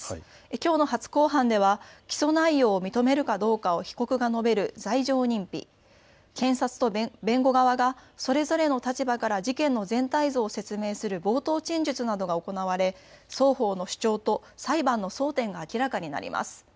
きょうの初公判では起訴内容を認めるかどうかを被告が述べる罪状認否、検察と弁護側がそれぞれの立場から事件の全体像を説明する冒頭陳述などが行われ双方の主張と裁判の争点が明らかになります。